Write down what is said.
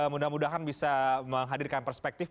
mudah mudahan bisa menghadirkan perspektif